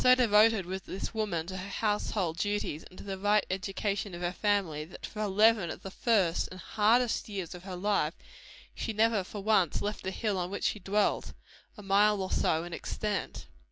So devoted was this woman to her household duties, and to the right education of her family, that for eleven of the first and hardest years of her life, she never for once left the hill on which she dwelt a mile or so in extent.